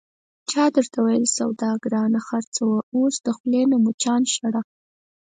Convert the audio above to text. چا درته ویل چې سودا گرانه خرڅوه، اوس د خولې نه مچان شړه...